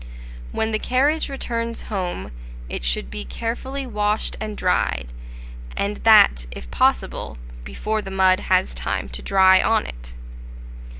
When the carriage returns home, it should be carefully washed and dried, and that, if possible, before the mud has time to dry on it.